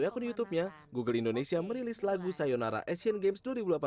di akun youtubenya google indonesia merilis lagu sayonara asian games dua ribu delapan belas